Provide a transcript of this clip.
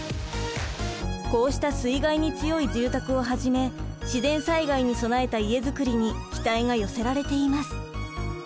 こうした水害に強い住宅をはじめ自然災害に備えた家づくりに期待が寄せられています。